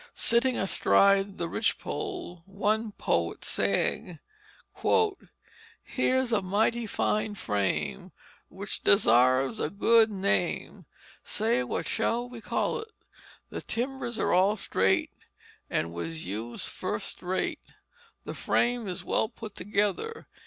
Sitting astride the ridge pole, one poet sang: "Here's a mighty fine frame Which desarves a good name, Say what shall we call it? The timbers all straight, And was hewed fust rate, The frame is well put together.